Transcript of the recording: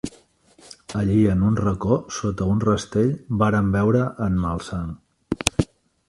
Allí, en un reco, sota un rastell, varen veure a en Malsang.